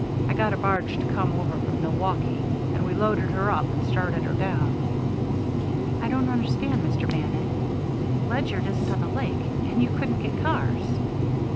"I got a barge to come over from Milwaukee, and we loaded her up and started her down." "I don't understand, Mr. Bannon. Ledyard isn't on the lake and you couldn't get cars."